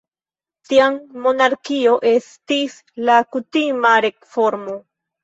Tiam monarkio estis la kutima regformo.